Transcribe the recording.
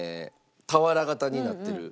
俵型になってる。